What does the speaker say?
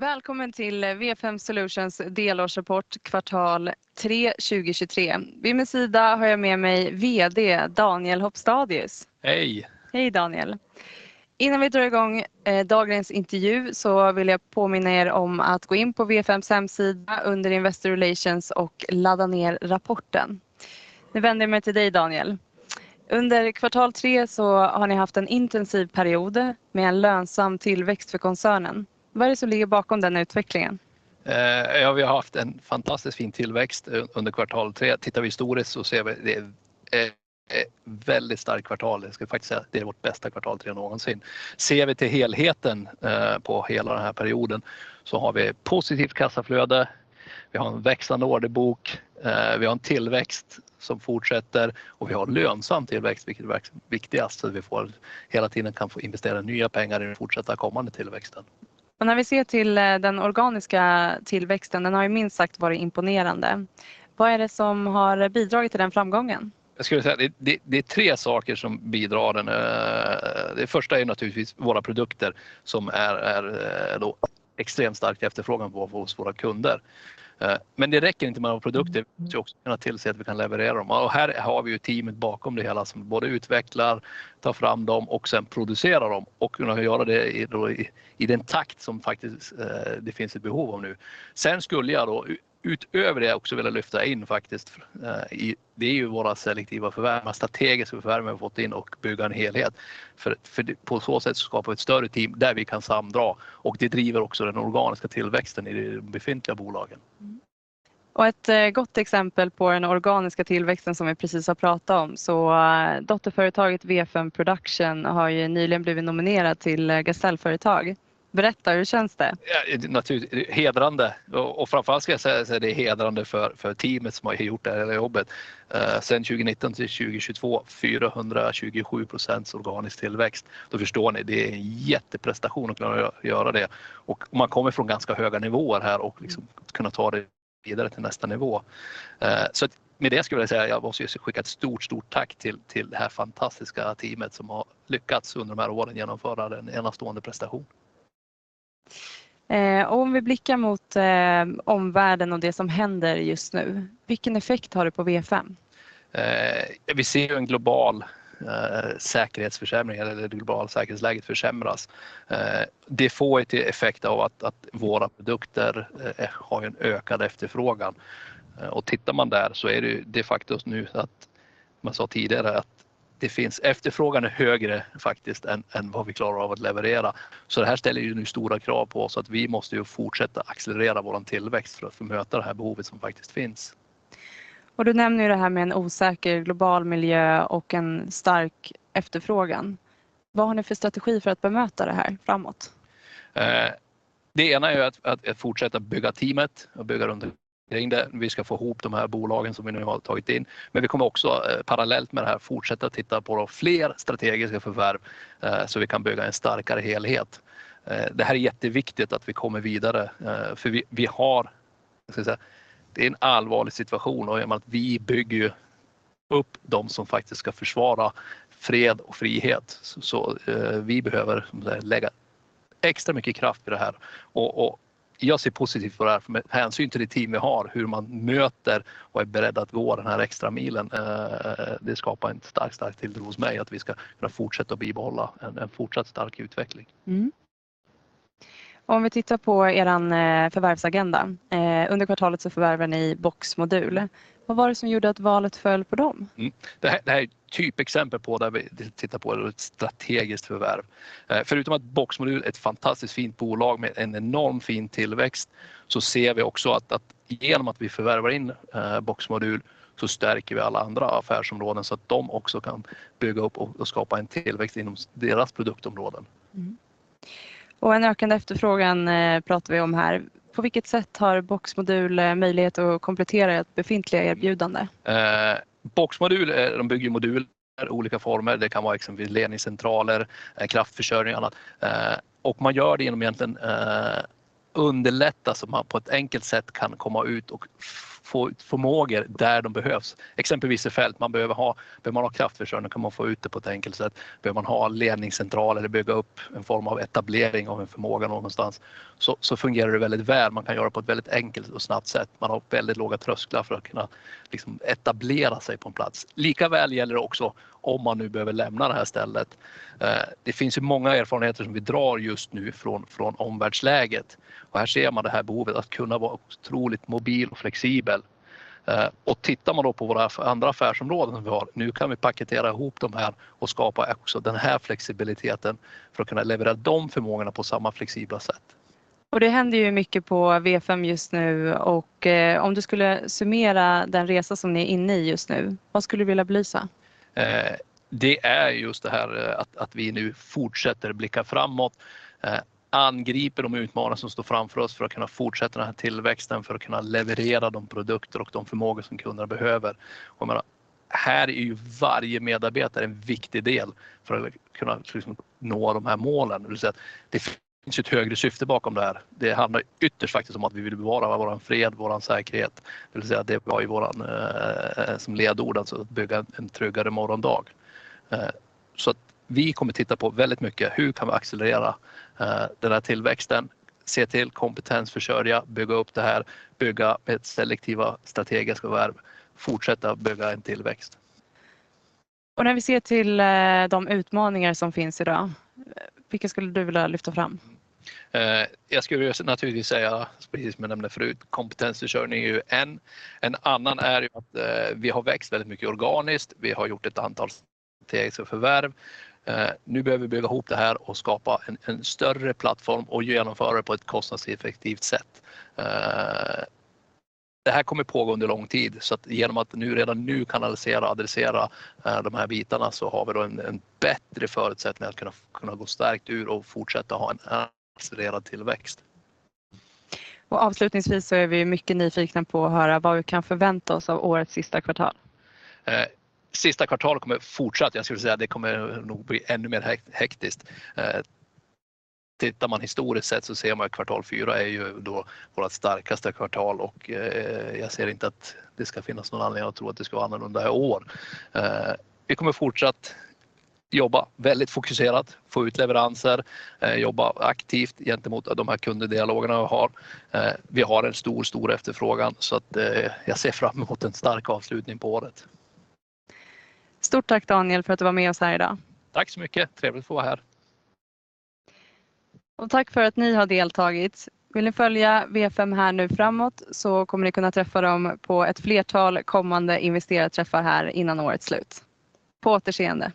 Välkommen till VFM Solutions delårsrapport, kvartal tre 2023. Vid min sida har jag med mig VD Daniel Hopstadius. Hej! Hej Daniel. Innan vi drar igång, eh, dagens intervju så vill jag påminna er om att gå in på VFM:s hemsida under Investor Relations och ladda ner rapporten. Nu vänder jag mig till dig, Daniel. Under kvartal tre så har ni haft en intensiv period med en lönsam tillväxt för koncernen. Vad är det som ligger bakom den utvecklingen? Ja, vi har haft en fantastiskt fin tillväxt under kvartal tre. Tittar vi historiskt så ser vi det väldigt starkt kvartal. Jag skulle faktiskt säga att det är vårt bästa kvartal tre någonsin. Ser vi till helheten på hela den här perioden, så har vi positivt kassaflöde, vi har en växande orderbok, vi har en tillväxt som fortsätter och vi har en lönsam tillväxt, vilket är viktigast, så vi får hela tiden kan investera nya pengar i den fortsatta kommande tillväxten. Och när vi ser till den organiska tillväxten, den har ju minst sagt varit imponerande. Vad är det som har bidragit till den framgången? Jag skulle säga det, det är tre saker som bidrar till den. Det första är naturligtvis våra produkter som är extremt stark efterfrågan på hos våra kunder. Men det räcker inte med att ha produkter, vi ska också kunna tillse att vi kan leverera dem. Och här har vi ju teamet bakom det hela som både utvecklar, tar fram dem och sedan producerar dem och kunna göra det i den takt som faktiskt det finns ett behov av nu. Sen skulle jag då utöver det också vilja lyfta in faktiskt det är ju våra selektiva förvärv, strategiska förvärv, vi fått in och bygga en helhet. För på så sätt skapa ett större team där vi kan samdra och det driver också den organiska tillväxten i de befintliga bolagen. Och ett gott exempel på den organiska tillväxten som vi precis har pratat om. Så dotterföretaget VFM Production har ju nyligen blivit nominerat till Gasellföretag. Berätta, hur känns det? Ja, det är naturligt, hedrande. Och framför allt ska jag säga, det är hedrande för teamet som har gjort det här jobbet. Sedan 2019 till 2022, 427% organisk tillväxt. Då förstår ni, det är en jätteprestation att kunna göra det och man kommer från ganska höga nivåer här och kunna ta det vidare till nästa nivå. Så med det skulle jag vilja säga, jag måste skicka ett stort, stort tack till det här fantastiska teamet som har lyckats under de här åren genomföra en enastående prestation. Om vi blickar mot omvärlden och det som händer just nu, vilken effekt har det på VFM? Vi ser ju en global säkerhetsförsämring eller det globala säkerhetsläget försämras. Det får ju till effekt av att våra produkter har en ökad efterfrågan. Tittar man där så är det ju det faktum nu att man sa tidigare att det finns efterfrågan är högre faktiskt än vad vi klarar av att leverera. Det här ställer ju nu stora krav på oss, att vi måste fortsätta accelerera vår tillväxt för att få möta det här behovet som faktiskt finns. Och du nämner ju det här med en osäker global miljö och en stark efterfrågan. Vad har ni för strategi för att bemöta det här framåt? Det ena är ju att fortsätta bygga teamet och bygga runt det. Vi ska få ihop de här bolagen som vi nu har tagit in, men vi kommer också parallellt med det här fortsätta titta på fler strategiska förvärv, så vi kan bygga en starkare helhet. Det här är jätteviktigt att vi kommer vidare, för vi har, vad ska jag säga... Det är en allvarlig situation och i och med att vi bygger ju upp de som faktiskt ska försvara fred och frihet, så vi behöver lägga extra mycket kraft i det här. Jag ser positivt på det här med hänsyn till det team vi har, hur man möter och är beredd att gå den här extra milen. Det skapar en stark tilltro hos mig att vi ska kunna fortsätta och bibehålla en fortsatt stark utveckling. Om vi tittar på er förvärvsagenda. Under kvartalet så förvärvar ni Boxmodul. Vad var det som gjorde att valet föll på dem? Mm. Det här, det här är typ exempel på där vi tittar på ett strategiskt förvärv. Förutom att Boxmodul är ett fantastiskt fint bolag med en enorm fin tillväxt, så ser vi också att genom att vi förvärvar Boxmodul, så stärker vi alla andra affärsområden så att de också kan bygga upp och skapa en tillväxt inom deras produktområden. Mm. Och en ökande efterfrågan pratar vi om här. På vilket sätt har Boxmodul möjlighet att komplettera ert befintliga erbjudande? Boxmodul, de bygger ju moduler, olika former. Det kan vara exempelvis ledningscentraler, kraftförsörjning och annat. Och man gör det igenom egentligen, underlätta så man på ett enkelt sätt kan komma ut och få ut förmågor där de behövs. Exempelvis i fält, man behöver ha, behöver man ha kraftförsörjning, kan man få ut det på ett enkelt sätt. Behöver man ha ledningscentral eller bygga upp en form av etablering av en förmåga någonstans, så fungerar det väldigt väl. Man kan göra på ett väldigt enkelt och snabbt sätt. Man har väldigt låga trösklar för att kunna etablera sig på en plats. Lika väl gäller det också om man nu behöver lämna det här stället. Det finns ju många erfarenheter som vi drar just nu från omvärldsläget och här ser man det här behovet att kunna vara otroligt mobil och flexibel. Eh, och tittar man då på våra andra affärsområden vi har, nu kan vi paketera ihop de här och skapa också den här flexibiliteten för att kunna leverera de förmågorna på samma flexibla sätt. Och det händer ju mycket på VFM just nu och om du skulle summera den resa som ni är inne i just nu, vad skulle du vilja belysa? Det är just det här att vi nu fortsätter blicka framåt, angriper de utmaningar som står framför oss för att kunna fortsätta den här tillväxten, för att kunna leverera de produkter och de förmågor som kunderna behöver. Jag menar, här är ju varje medarbetare en viktig del för att kunna nå de här målen. Det vill säga att det finns ett högre syfte bakom det här. Det handlar ytterst faktiskt om att vi vill bevara vår fred, vår säkerhet. Det vill säga, det var ju vårt ledord, alltså att bygga en tryggare morgondag. Så att vi kommer titta på väldigt mycket, hur kan vi accelerera den här tillväxten? Se till kompetensförsörja, bygga upp det här, bygga med selektiva, strategiska förvärv, fortsätta bygga en tillväxt. Och när vi ser till de utmaningar som finns idag, vilka skulle du vilja lyfta fram? Jag skulle naturligtvis säga, precis som jag nämnde förut, kompetensförsörjning är ju en. En annan är ju att vi har växt väldigt mycket organiskt. Vi har gjort ett antal strategiska förvärv. Nu behöver vi bygga ihop det här och skapa en större plattform och genomföra det på ett kostnadseffektivt sätt. Det här kommer pågå under lång tid, så att genom att nu, redan nu kan analysera, adressera de här bitarna, så har vi då en bättre förutsättning att kunna gå stärkt ur och fortsätta ha en accelererad tillväxt. Och avslutningsvis så är vi mycket nyfikna på att höra vad vi kan förvänta oss av årets sista kvartal. Sista kvartalet kommer fortsatt, jag skulle säga, det kommer nog bli ännu mer hektiskt. Tittar man historiskt sett så ser man att kvartal fyra är ju då vårt starkaste kvartal och jag ser inte att det ska finnas någon anledning att tro att det ska vara annorlunda i år. Vi kommer fortsatt jobba väldigt fokuserat, få ut leveranser, jobba aktivt gentemot de här kundedialogerna vi har. Vi har en stor, stor efterfrågan, så att jag ser fram emot en stark avslutning på året. Stort tack, Daniel, för att du var med oss här idag. Tack så mycket, trevligt att få vara här. Och tack för att ni har deltagit. Vill ni följa VFM här nu framåt så kommer ni kunna träffa dem på ett flertal kommande investerarträffar här innan årets slut. På återseende!